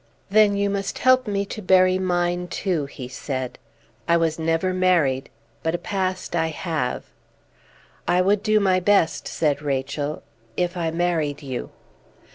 "Then you must help me to bury mine, too," he said. "I was never married, but a past I have." "I would do my best," said Rachel, "if I married you."